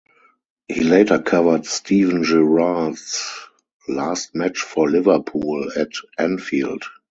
He later covered Steven Gerrard's last match for Liverpool at Anfield.